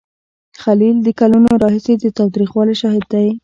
الخلیل د کلونو راهیسې د تاوتریخوالي شاهد دی.